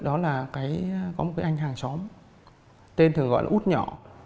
đó là có một cái anh hàng xóm tên thường gọi là út nhỏ